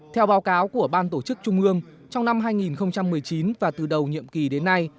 theo báo cáo của ban tổ chức trung ương trong năm hai nghìn một mươi chín và từ đầu nhiệm kỳ đến nay